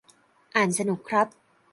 อ่านสนุกครับ